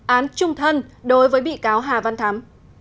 án trung thân đối với bị cáo hà văn thắm